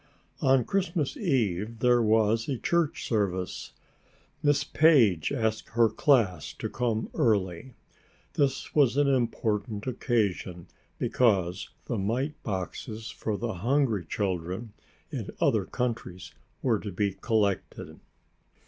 On Christmas eve there was a church service. Miss Page asked her class to come early. This was an important occasion because the mite boxes for the hungry children in other countries were to be collected.